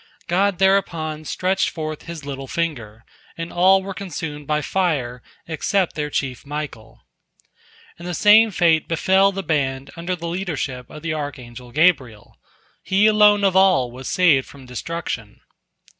God thereupon stretched forth His little finger, and all were consumed by fire except their chief Michael. And the same fate befell the band under the leadership of the archangel Gabriel; he alone of all was saved from destruction.